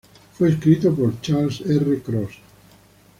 Fue escrito por Charles R. Cross.